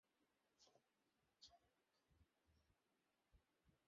নিসার আলি তাঁর এই লেখাটি পড়তে দিলেন তাঁর বন্ধু দেওয়ান সাহেবকে।